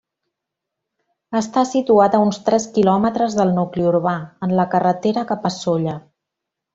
Està situat a uns tres quilòmetres del nucli urbà en la carretera cap a Sóller.